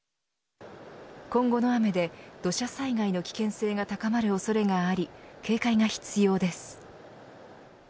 今後の雨で土砂災害の危険性が高まる恐れがあり警戒が必要です。